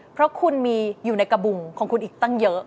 เพราะคุณมีอยู่ในกระบุงของคุณอีกตั้งเยอะ